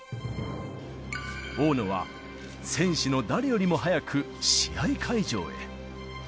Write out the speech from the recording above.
大野は選手の誰よりも早く試合会場へ。